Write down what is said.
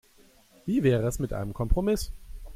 Wie wäre es mit einem Kompromiss?